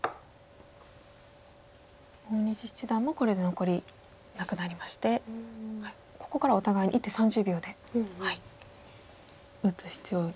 大西七段もこれで残りなくなりましてここからはお互いに１手３０秒で打つ必要がありますね。